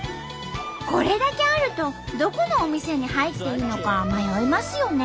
これだけあるとどこのお店に入っていいのか迷いますよね。